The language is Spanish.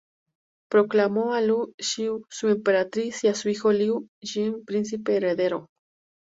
Proclamó a Lü Zhi su emperatriz y a su hijo Liu Ying príncipe heredero.